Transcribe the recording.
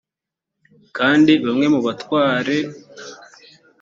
kandi bamwe mu batware